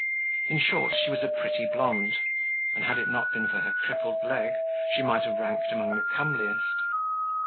In short she was a pretty blonde, and had it not been for her crippled leg she might have ranked amongst the comeliest.